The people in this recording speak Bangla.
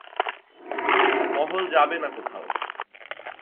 মহল যাবে না কোথাও।